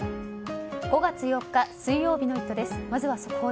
５月４日、水曜日の「イット！」です。